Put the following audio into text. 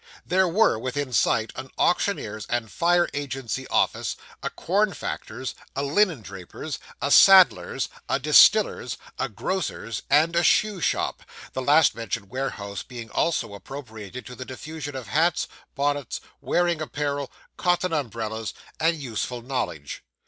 There were, within sight, an auctioneer's and fire agency office, a corn factor's, a linen draper's, a saddler's, a distiller's, a grocer's, and a shoe shop the last mentioned warehouse being also appropriated to the diffusion of hats, bonnets, wearing apparel, cotton umbrellas, and useful knowledge.